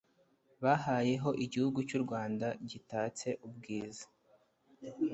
bahayeho igihugu cy'u Rwanda gitatse ubwiza